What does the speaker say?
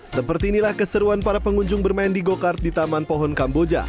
seperti inilah keseruan para pengunjung bermain di go kart di taman pohon kamboja